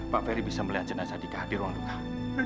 pak ferry bisa melihat jenazah dika di ruang duka